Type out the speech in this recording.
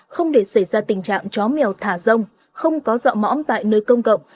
không để xảy ra tình trạng chó mèo thả rông không có dọ mõm tại nơi công cộng